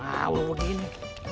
gak mau lo begini